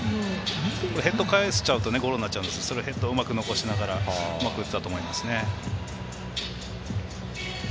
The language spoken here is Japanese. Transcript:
ヘッドを返すとゴロになっちゃうんですけどヘッドを残しながらうまく打てたと思いますね。